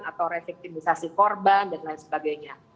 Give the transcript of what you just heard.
atau re fektivisasi korban dan lain sebagainya